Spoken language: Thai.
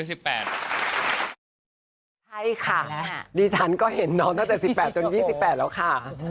ใช่ค่ะอันนี้ฉันก็เห็นน้องตั้งแต่๑๘ไปตั้งแต่๒๕แล้วค่ะ